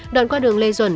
đoạn qua đường lê duẩn